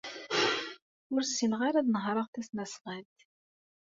Ur ssineɣ ara ad nehṛeɣ tasnasɣalt.